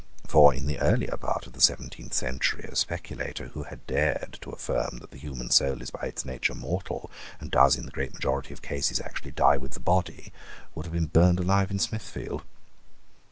For, in the earlier part of the seventeenth century, a speculator who had dared to affirm that the human soul is by its nature mortal, and does, in the great majority of cases, actually die with the body, would have been burned alive in Smithfield.